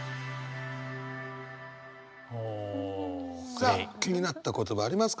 さあ気になった言葉ありますか？